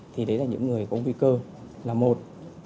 thì đấy là những người có nguy cơ là một